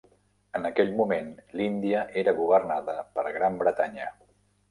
En aquell moment, l'Índia era governada per Gran Bretanya.